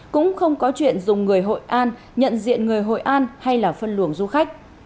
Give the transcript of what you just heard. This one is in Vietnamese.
cũng không có chuyện dùng người hội an nhận diện người hội an hay là phân luồng du khách